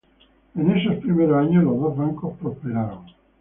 En esos primeros años, los dos bancos prosperaron.